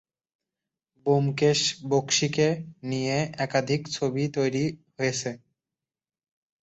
ব্যোমকেশ বক্সীকে নিয়ে একাধিক ছবি তৈরি হয়েছে।